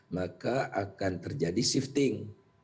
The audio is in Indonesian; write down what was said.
maka akan terjadi shifting